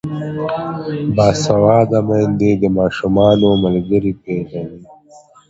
باسواده میندې د ماشومانو ملګري پیژني.